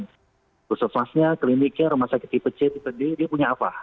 khusus masnya kliniknya rumah sakit tipe c tipe d dia punya apa